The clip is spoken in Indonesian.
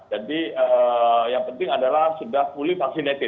jadi yang penting adalah sudah fully vaccinated